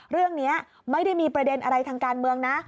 เรื่องนี้ไม่ได้มีประเด็นอะไรทางการเมืองนะ